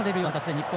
日本